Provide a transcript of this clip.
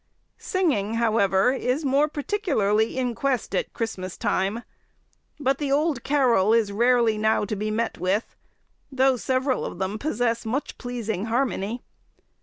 Singing, however, is more particularly in quest at Christmas time, but the old carol is rarely now to be met with, though several of them possess much pleasing harmony.